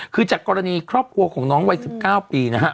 คือจากกรณีครอบครัวของน้องวัย๑๙ปีนะฮะ